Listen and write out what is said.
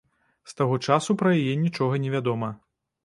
З таго часу пра яе нічога не вядома.